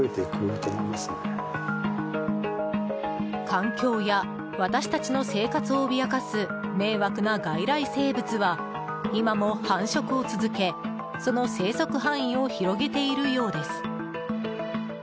環境や私たちの生活を脅かす迷惑な外来生物は今も繁殖を続け、その生息範囲を広げているようです。